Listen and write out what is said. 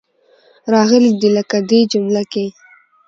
راغلې دي. لکه دې جمله کې.